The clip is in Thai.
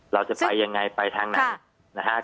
เราจะไปอย่างไรไปทางไหน